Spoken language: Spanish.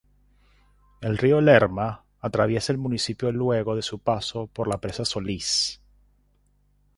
El río Lerma atraviesa el municipio luego de su paso por la presa Solís.